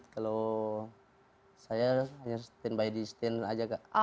kalau saya hanya standby di stand aja kak